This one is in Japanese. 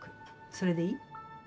それでいい？